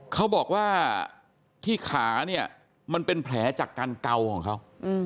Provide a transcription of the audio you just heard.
เขาบอกว่าที่ขาเนี่ยมันเป็นแผลจากการเกาของเขา